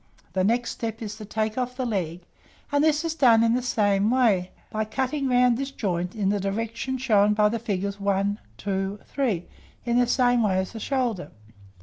The next step is to take off the leg; and this is done in the same way, by cutting round this joint in the direction shown by the figures 1, 2, 3, in the same way as the shoulder.